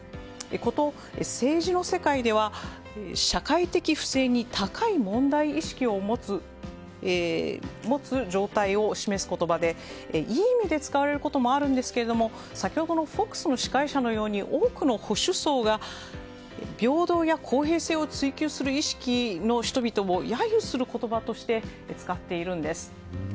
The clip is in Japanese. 政治の世界では社会的不正に高い問題意識を持つ状態を示す言葉でいい意味で使われることもあるんですが先ほどのＦＯＸの司会者のように多くの保守層が、平等や公平性を追求する意識の人々を揶揄する言葉として使っているんです。